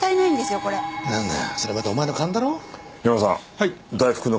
はい。